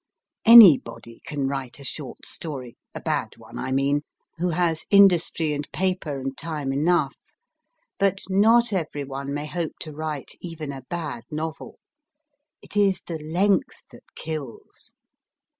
Anybody can write a short story a bad one, I mean who has industry and paper and time enough ; but not everyone may hope to write even a bad novel. It is the length that kills.